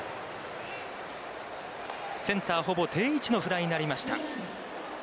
センター、ほぼ定位置のフライになりました。